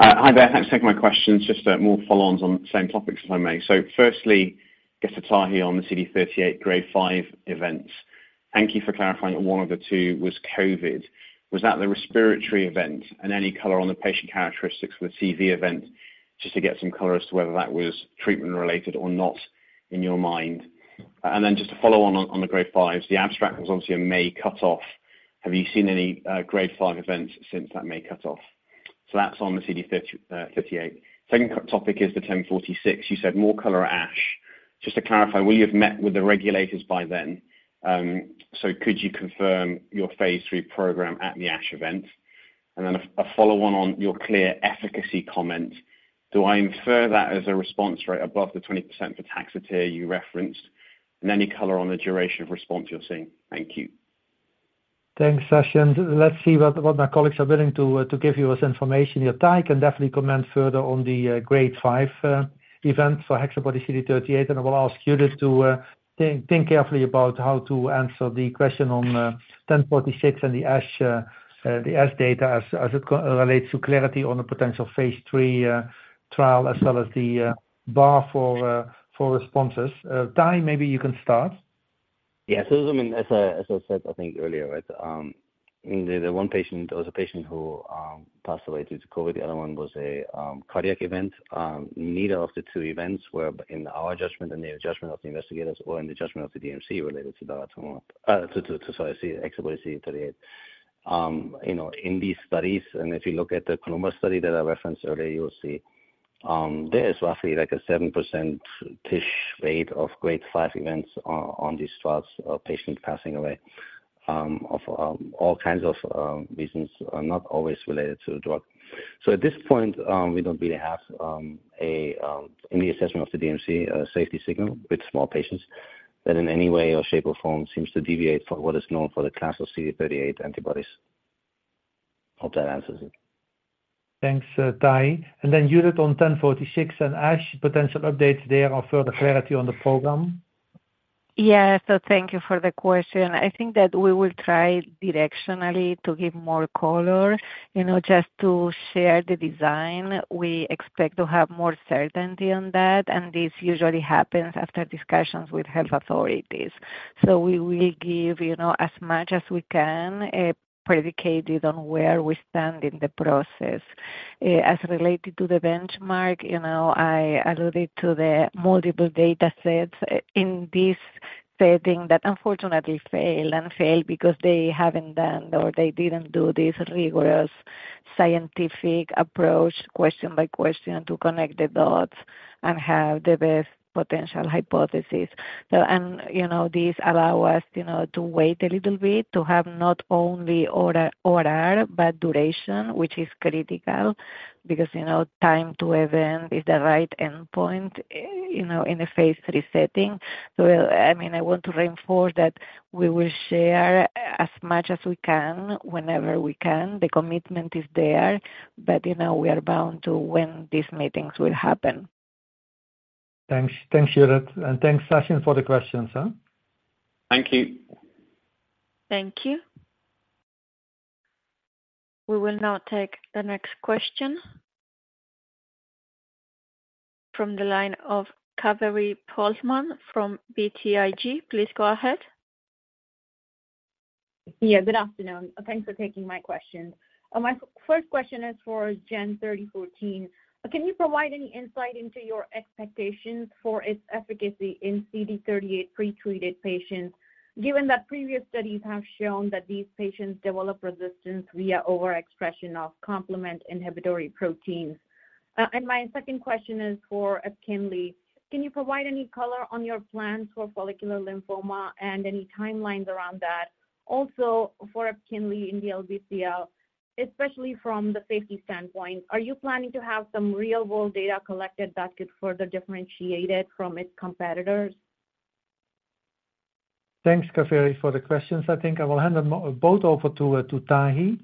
Hi there. Thanks for taking my questions. Just more follow-ons on the same topics, if I may. So firstly, get to Tahi on the CD38 grade five events. Thank you for clarifying that one of the two was COVID. Was that the respiratory event and any color on the patient characteristics for the CV event, just to get some color as to whether that was treatment related or not in your mind? And then just to follow on the grade fives, the abstract was obviously a May cut-off. Have you seen any grade five events since that May cut-off? So that's on the CD38. Second topic is the 1046. You said more color ASH. Just to clarify, will you have met with the regulators by then? So could you confirm your phase III program at the ASH event? And then a follow on your clear efficacy comment, do I infer that as a response rate above the 20% for Taxotere you referenced, and any color on the duration of response you're seeing? Thank you. Thanks, Sachin. Let's see what my colleagues are willing to give you this information here. Tahi can definitely comment further on the grade 5 event for HexaBody-CD38, and I will ask Judith to think carefully about how to answer the question on 1046 and the ASH data as it correlates to clarity on the potential phase III trial, as well as the bar for responses. Tahi, maybe you can start. Yeah. So, I mean, as I said, I think earlier, right, the one patient was a patient who passed away due to COVID. The other one was a cardiac event. Neither of the two events were, in our judgment, and the judgment of the investigators or in the judgment of the DMC, related to the HexaBody-CD38. You know, in these studies, and if you look at the Columbus study that I referenced earlier, you will see, there is roughly like a 7%-ish rate of grade five events on these trials, patients passing away, of all kinds of reasons, not always related to the drug. So at this point, we don't really have any assessment of the DMC safety signal with small patients that in any way or shape or form seems to deviate from what is known for the class of CD38 antibodies. Hope that answers it. Thanks, Ty. And then Judith, on 1046 and ASH, potential updates there or further clarity on the program? Yeah. So thank you for the question. I think that we will try directionally to give more color, you know, just to share the design. We expect to have more certainty on that, and this usually happens after discussions with health authorities. So we will give, you know, as much as we can, predicated on where we stand in the process. As related to the benchmark, you know, I alluded to the multiple datasets, in this- Setting that unfortunately fail, and fail because they haven't done or they didn't do this rigorous scientific approach, question by question, to connect the dots and have the best potential hypothesis. So, and, you know, this allow us, you know, to wait a little bit, to have not only order, order, but duration, which is critical because, you know, time to event is the right endpoint, you know, in a phase III setting. So, I mean, I want to reinforce that we will share as much as we can, whenever we can. The commitment is there, but, you know, we are bound to when these meetings will happen. Thanks. Thanks, Judith, and thanks, Sachin, for the questions, huh? Thank you. Thank you. We will now take the next question from the line of Kaveri Pohlman from BTIG. Please go ahead. Yeah, good afternoon. Thanks for taking my questions. My first question is for GEN3014. Can you provide any insight into your expectations for its efficacy in CD38 pretreated patients, given that previous studies have shown that these patients develop resistance via overexpression of complement inhibitory proteins? And my second question is for Epkinly. Can you provide any color on your plans for follicular lymphoma and any timelines around that? Also, for Epkinly in the LBCL, especially from the safety standpoint, are you planning to have some real-world data collected that could further differentiate it from its competitors? Thanks, Kaveri, for the questions. I think I will hand them both over to Tahi.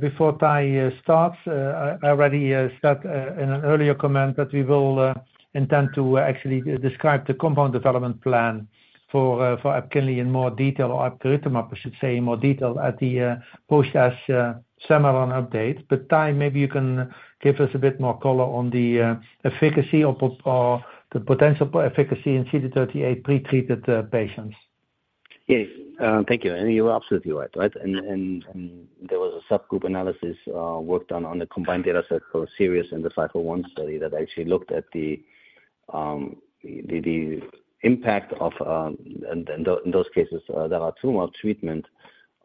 Before Tahi starts, I already said in an earlier comment that we will intend to actually describe the compound development plan for Epkinly in more detail, or epcoritamab, I should say, in more detail at the post-AGM update. Tahi, maybe you can give us a bit more color on the efficacy or the potential efficacy in CD38 pretreated patients. Yes, thank you. You are absolutely right, right? There was a subgroup analysis worked on the combined dataset for SIRIUS and the 501 study that actually looked at the impact of, and in those cases, there are two or more treatments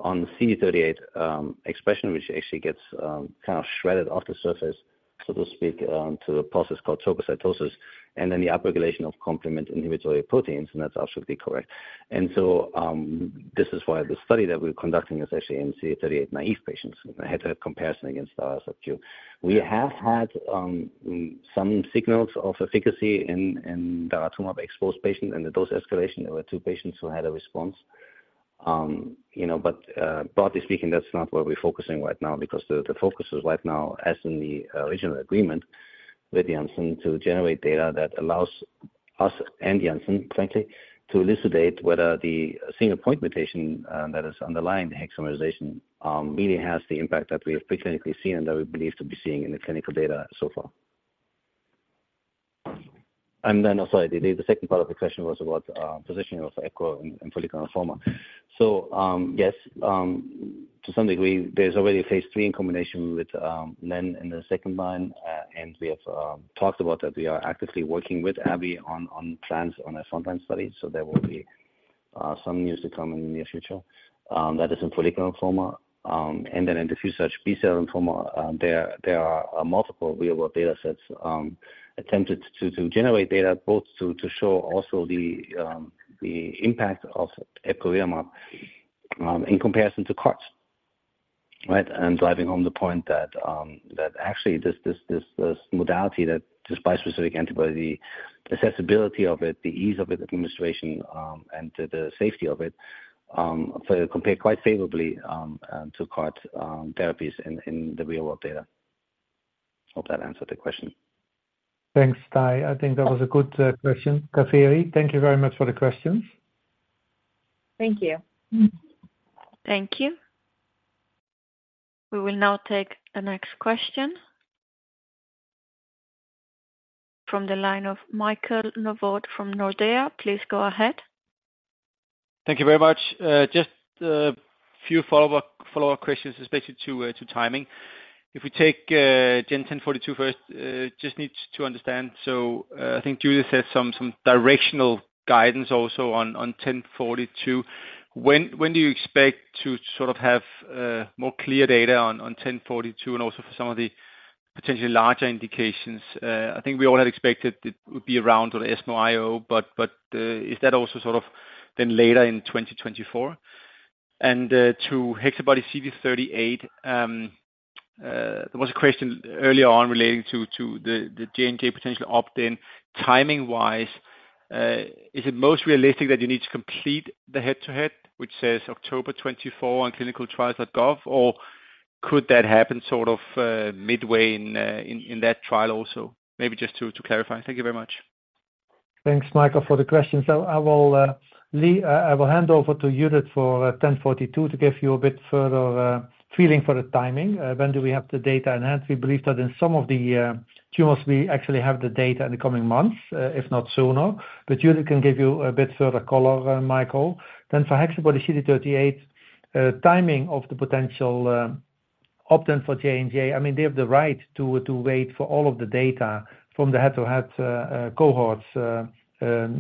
on CD38 expression, which actually gets kind of shed off the surface, so to speak, to a process called trogocytosis, and then the upregulation of complement inhibitory proteins. That's absolutely correct. So, this is why the study that we're conducting is actually in CD38-naive patients. We had a head-to-head comparison against Dara SQ. We have had some signals of efficacy in the daratumumab-exposed patients in the dose escalation. There were 2 patients who had a response. You know, but, broadly speaking, that's not where we're focusing right now, because the focus is right now, as in the original agreement with Janssen, to generate data that allows us and Janssen, frankly, to elucidate whether the single point mutation that is underlying hexamerization really has the impact that we have pre-clinically seen and that we believe to be seeing in the clinical data so far. And then, sorry, the second part of the question was about positioning of Epcor in follicular lymphoma. So, yes, to some degree, there's already a phase III in combination with Len in the second line, and we have talked about that. We are actively working with AbbVie on plans on a frontline study, so there will be some news to come in the near future. That is in follicular lymphoma. And then in diffuse large B-cell lymphoma, there are multiple real-world datasets attempted to generate data both to show also the impact of epcoritamab in comparison to CAR-T, right? And driving home the point that actually this modality that this bispecific antibody, the accessibility of it, the ease of its administration, and the safety of it, so compare quite favorably to CAR-T therapies in the real world data. Hope that answered the question. Thanks, Tahi. I think that was a good question. Kaveri, thank you very much for the questions. Thank you. Thank you. We will now take the next question from the line of Michael Novod from Nordea. Please go ahead. Thank you very much. Just a few follow-up questions, especially to timing. If we take GEN1042 first, just need to understand. So, I think Judith said some directional guidance also on GEN1042. When do you expect to sort of have more clear data on GEN1042, and also for some of the potentially larger indications? I think we all had expected it would be around the ESMO IO, but is that also sort of then later in 2024? And to HexaBody-CD38, there was a question earlier on relating to the J&J potential opt-in. Timing-wise, is it most realistic that you need to complete the head-to-head, which says October 2024 on ClinicalTrials.gov, or could that happen sort of midway in that trial also? Maybe just to clarify. Thank you very much. Thanks, Michael, for the questions. So I will hand over to Judith for GEN1042 to give you a bit further feeling for the timing. When do we have the data in hand? We believe that in some of the tumors, we actually have the data in the coming months, if not sooner, but Judith can give you a bit further color, Michael. Then for HexaBody-CD38, timing of the potential opt-in for J&J. I mean, they have the right to wait for all of the data from the head-to-head cohorts,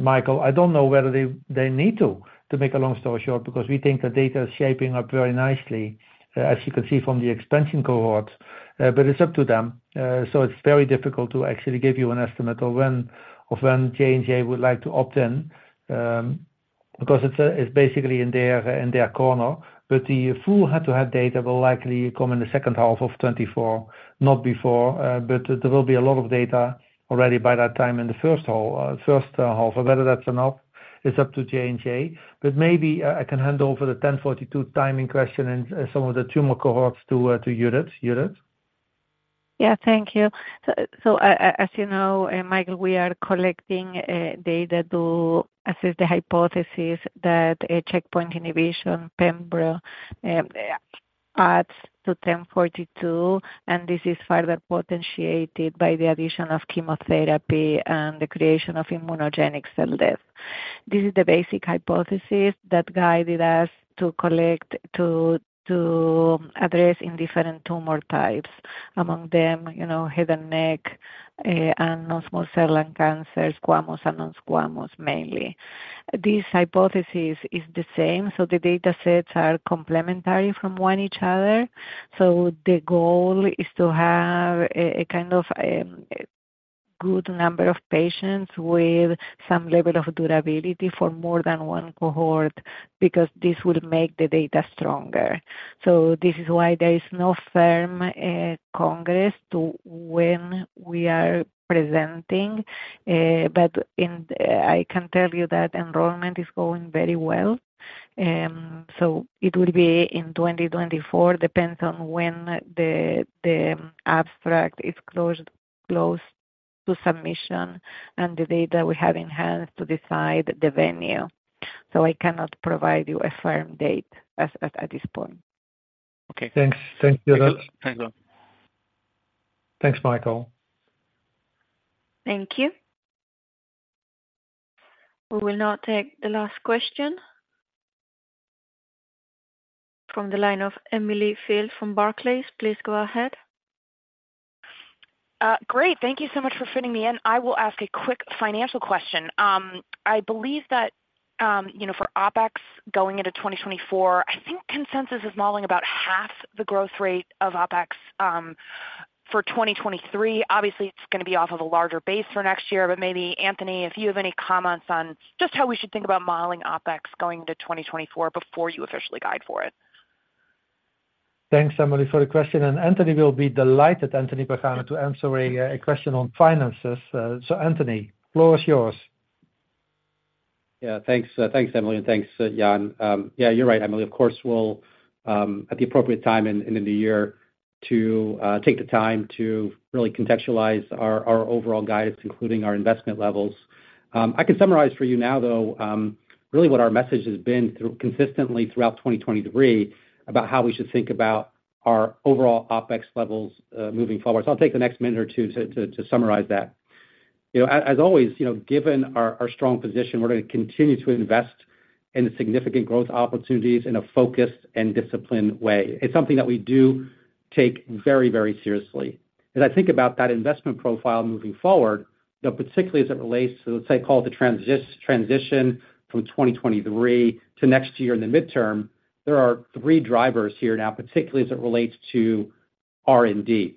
Michael. I don't know whether they need to. To make a long story short, because we think the data is shaping up very nicely, as you can see from the expansion cohorts, but it's up to them. So it's very difficult to actually give you an estimate of when, of when J&J would like to opt in, because it's, it's basically in their, in their corner. But the full head-to-head data will likely come in the second half of 2024, not before, but there will be a lot of data already by that time in the first half. But whether that's enough is up to J&J. But maybe I, I can hand over the 1042 timing question and some of the tumor cohorts to, to Judith. Judith? Yeah, thank you. So, as you know, Michael, we are collecting data to assess the hypothesis that a checkpoint inhibition Pembro adds to 1042, and this is further potentiated by the addition of chemotherapy and the creation of immunogenic cell death. This is the basic hypothesis that guided us to collect to address in different tumor types. Among them, you know, head and neck, and non-small cell lung cancer, squamous and non-squamous, mainly. This hypothesis is the same, so the data sets are complementary from one each other. So the goal is to have a kind of good number of patients with some level of durability for more than one cohort, because this would make the data stronger. So this is why there is no firm congress to when we are presenting, but I can tell you that enrollment is going very well. So it will be in 2024, depends on when the abstract is closed close to submission and the data we have in hand to decide the venue. So I cannot provide you a firm date at this point. Okay. Thanks. Thank you. Thanks a lot. Thanks, Michael. Thank you. We will now take the last question from the line of Emily Field from Barclays. Please go ahead. Great. Thank you so much for fitting me in. I will ask a quick financial question. I believe that, you know, for OpEx, going into 2024, I think consensus is modeling about half the growth rate of OpEx for 2023. Obviously, it's gonna be off of a larger base for next year, but maybe, Anthony, if you have any comments on just how we should think about modeling OpEx going into 2024 before you officially guide for it. Thanks, Emily, for the question, and Anthony will be delighted, Anthony Pagano, to answer a question on finances. So Anthony, the floor is yours. Yeah, thanks. Thanks, Emily, and thanks, Jan. Yeah, you're right, Emily. Of course, we'll at the appropriate time in the year to take the time to really contextualize our overall guidance, including our investment levels. I can summarize for you now, though, really what our message has been through consistently throughout 2023, about how we should think about our overall OpEx levels moving forward. So I'll take the next minute or two to summarize that. You know, as always, you know, given our strong position, we're gonna continue to invest in significant growth opportunities in a focused and disciplined way. It's something that we do take very, very seriously. As I think about that investment profile moving forward, you know, particularly as it relates to, let's say, call it the transition from 2023 to next year in the midterm, there are three drivers here now, particularly as it relates to R&D.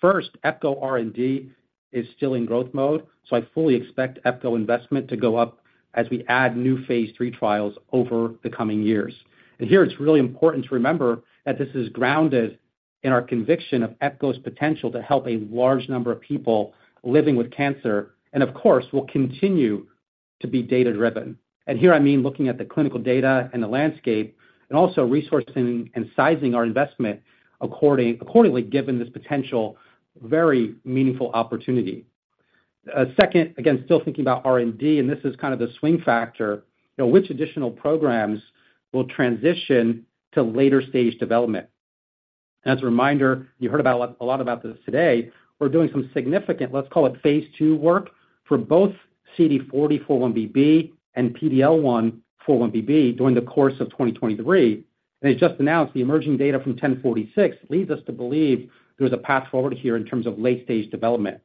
First, Epco R&D is still in growth mode, so I fully expect Epco investment to go up as we add new phase III trials over the coming years. And here, it's really important to remember that this is grounded in our conviction of Epco's potential to help a large number of people living with cancer, and of course, will continue to be data-driven. And here, I mean, looking at the clinical data and the landscape, and also resourcing and sizing our investment accordingly, given this potential very meaningful opportunity. Second, again, still thinking about R&D, and this is kind of the swing factor, you know, which additional programs will transition to later stage development? As a reminder, you heard about a lot about this today, we're doing some significant, let's call it, phase II work for both CD40x4-1BB and PD-L1x4-1BB during the course of 2023. And as just announced, the emerging data from 1046 leads us to believe there is a path forward here in terms of late-stage development.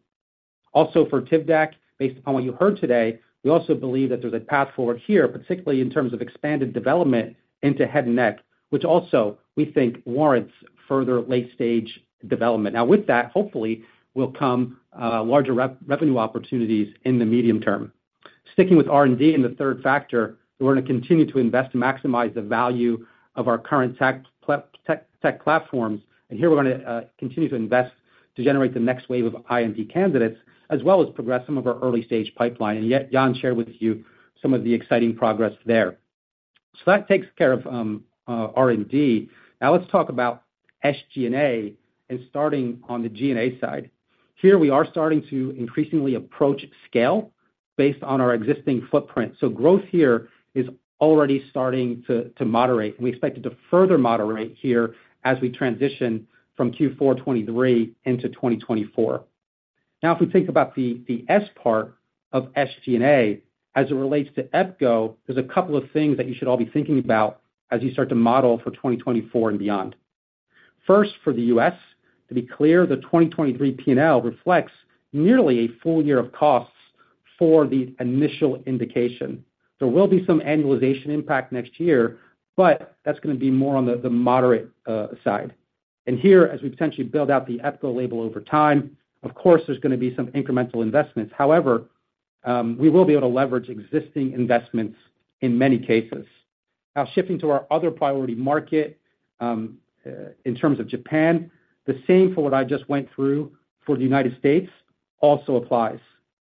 Also for Tivdak, based upon what you heard today, we also believe that there's a path forward here, particularly in terms of expanded development into head and neck, which also we think warrants further late-stage development. Now, with that, hopefully, will come larger revenue opportunities in the medium term. Sticking with R&D in the third factor, we're gonna continue to invest to maximize the value of our current tech platforms. And here, we're gonna continue to invest to generate the next wave of IMP candidates, as well as progress some of our early-stage pipeline. And yet, Jan shared with you some of the exciting progress there. So that takes care of R&D. Now, let's talk about SG&A, and starting on the G&A side. Here, we are starting to increasingly approach scale based on our existing footprint. So growth here is already starting to moderate, and we expect it to further moderate here as we transition from Q4 2023 into 2024. Now, if we think about the S part of SG&A as it relates to EPCO, there's a couple of things that you should all be thinking about as you start to model for 2024 and beyond. First, for the U.S., to be clear, the 2023 P&L reflects nearly a full year of costs for the initial indication. There will be some annualization impact next year, but that's gonna be more on the moderate side. And here, as we potentially build out the EPCO label over time, of course, there's gonna be some incremental investments. However, we will be able to leverage existing investments in many cases. Now, shifting to our other priority market, in terms of Japan, the same for what I just went through for the United States also applies.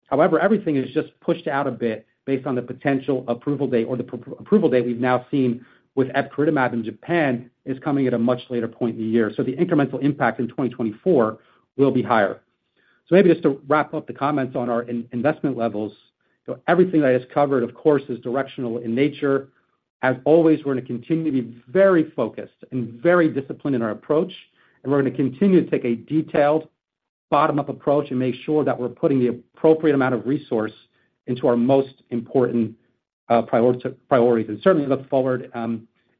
However, everything is just pushed out a bit based on the potential approval date or the pre-approval date we've now seen with epcoritamab in Japan, is coming at a much later point in the year. So the incremental impact in 2024 will be higher. So maybe just to wrap up the comments on our investment levels. So everything I just covered, of course, is directional in nature. As always, we're gonna continue to be very focused and very disciplined in our approach, and we're gonna continue to take a detailed bottom-up approach and make sure that we're putting the appropriate amount of resource into our most important priorities. Certainly look forward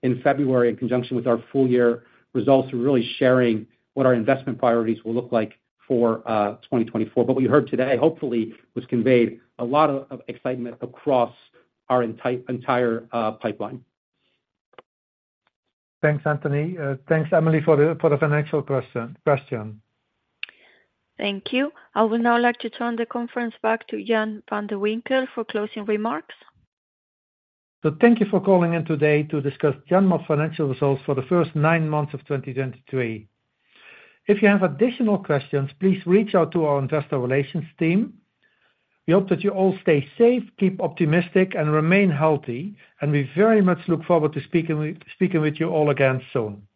in February, in conjunction with our full year results, really sharing what our investment priorities will look like for 2024. What you heard today, hopefully, was conveyed a lot of excitement across our entire pipeline. Thanks, Anthony. Thanks, Emily, for the financial question. Thank you. I would now like to turn the conference back to Jan van de Winkel for closing remarks. Thank you for calling in today to discuss Genmab financial results for the first 9 months of 2023. If you have additional questions, please reach out to our investor relations team. We hope that you all stay safe, keep optimistic, and remain healthy, and we very much look forward to speaking with, speaking with you all again soon.